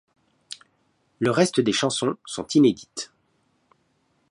Le reste des chansons sont inédites.